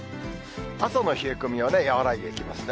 朝の冷え込みは和らいでいきますね。